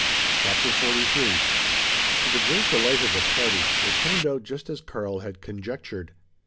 CHAPTER FORTY THREE. THE PAPER TREE. To the great delight of the party, it turned out just as Karl had conjectured.